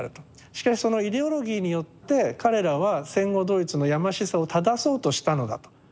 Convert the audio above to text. しかしそのイデオロギーによって彼らは戦後ドイツのやましさをただそうとしたのだと。